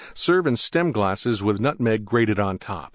Serve in Stem glasses with Nutmeg grated on top.